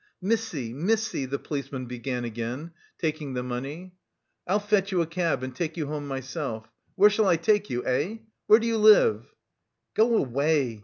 "Missy, missy!" the policeman began again, taking the money. "I'll fetch you a cab and take you home myself. Where shall I take you, eh? Where do you live?" "Go away!